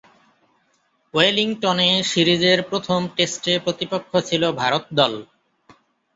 ওয়েলিংটনে সিরিজের প্রথম টেস্টে প্রতিপক্ষ ছিল ভারত দল।